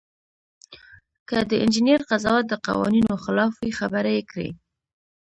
که د انجینر قضاوت د قوانینو خلاف وي خبره یې کړئ.